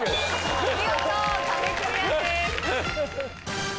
見事壁クリアです。